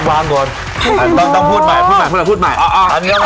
ยัดวางก่อนต้องต้องพูดใหม่พูดใหม่พูดใหม่พูดใหม่อ่ะอ่ะอันนี้ก็มา